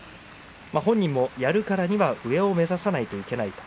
本人もやるからには上を目指さなければいけない。